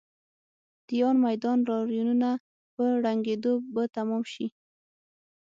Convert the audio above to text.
د تیان میدان لاریونونه په ړنګېدو به تمام شي.